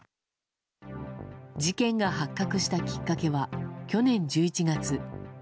事件が発覚したきっかけは去年１１月。